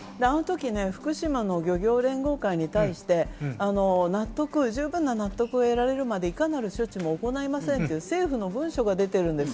福島の漁業連合会に対して十分な納得を得られるまで、いかなる処置も行いませんという政府の文書が出てるんです。